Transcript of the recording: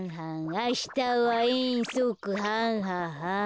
あしたはえんそくはんははん。